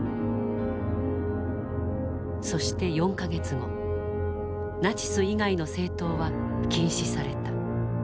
そして４か月後ナチス以外の政党は禁止された。